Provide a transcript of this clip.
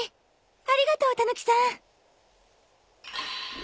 ありがとうたぬきさん。